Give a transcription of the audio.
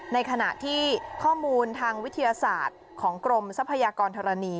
ในขณะที่ข้อมูลทางวิทยาศาสตร์ของกรมทรัพยากรธรณี